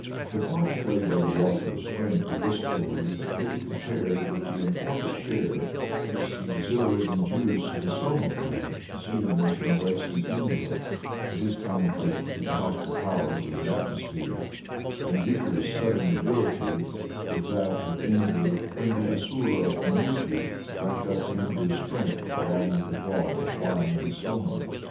The part played by the Water of Strength in this story may be compared with "the important share which the exhilarating juice of the Soma plant assumes in bracing Indra for his conflict with the hostile powers in the atmosphere," and Vikhor's sudden debility with that of Indra when the Asura Namuchi "drank up Indra's strength along with a draught of wine and soma."